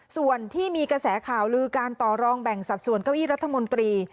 ส่วนที่มีกระแสข่าวลือการต่อรองแบ่งสัดส่วนเก้าอี้รัฐมนตรี